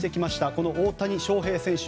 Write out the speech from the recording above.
この大谷翔平選手